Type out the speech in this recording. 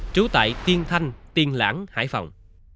trú tại tiên thanh tiên lãng hải phòng